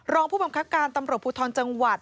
รองผู้บังคับการตำรวจภูทรจังหวัด